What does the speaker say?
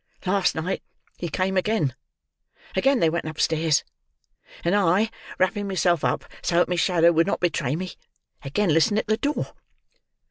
Last night he came again. Again they went upstairs, and I, wrapping myself up so that my shadow would not betray me, again listened at the door.